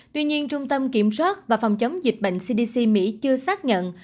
tuy nhiên trung tâm kiểm soát và phòng chống dịch bệnh cdc mỹ chưa xác nhận